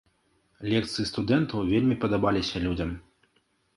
Лекцыі студэнтаў вельмі падабаліся людзям.